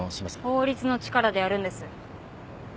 法律の力でやるんです。